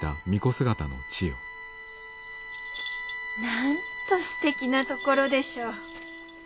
なんとすてきな所でしょう。